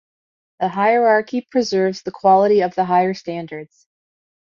The hierarchy preserves the quality of the higher standards.